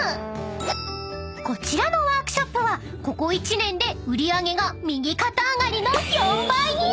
［こちらのワークショップはここ１年で売り上げが右肩上がりの４倍に！］